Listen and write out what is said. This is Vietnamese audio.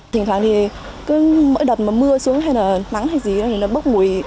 thỉnh thoảng thì mỗi đợt mà mưa xuống hay là mắng hay gì thì nó bốc mùi